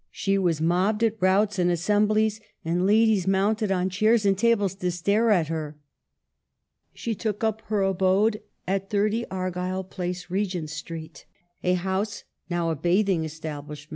She was mobbed at routs and assemblies, and ladies mounted on chairs and tables to stare at her. She took up her abode at 30, Argyll Place, Re gent Street, a house now a bathing establishment.